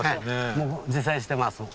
もう自生してます。